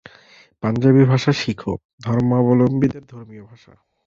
পাঞ্জাবি ভাষা শিখ ধর্মাবলম্বীদের ধর্মীয় ভাষা।